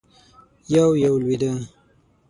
يو- يو لوېده.